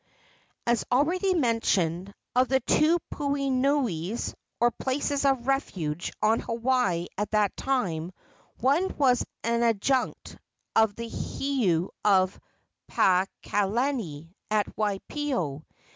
As already mentioned, of the two puhonuis, or places of refuge, on Hawaii at that time, one was an adjunct of the heiau of Paakalani, at Waipio.